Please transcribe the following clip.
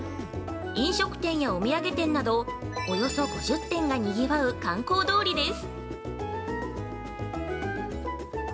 飲食店やお土産店などおよそ５０店が賑わう観光どうです。